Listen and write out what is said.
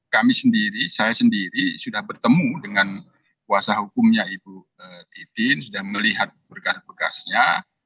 kami sendiri saya sendiri sudah bertemu dengan kuasa hukumnya ibu titin sudah melihat berkas berkasnya